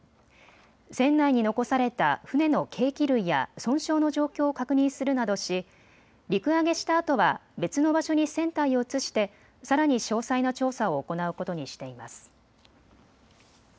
船内に残された船の計器類や損傷の状況を確認するなどし陸揚げしたあとは別の場所に船体を移してさらに詳細な調査を行うことにしています。